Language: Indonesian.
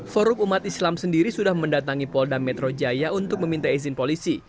forum umat islam sendiri sudah mendatangi polda metro jaya untuk meminta izin polisi